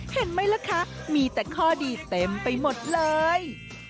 เห็นไหมล่ะคะมีแต่ข้อดีเต็มไปหมดเลย